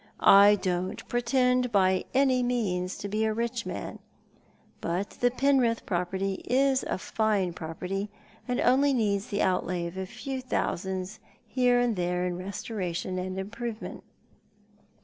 I don't pretend, by any means, to be a rich man — but the Penrith pro^jerty is a fine property, and only needs the outlay of a few thousands here and there in restoration and improvement.